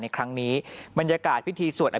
ในครั้งนี้บรรยากาศพิธีสวด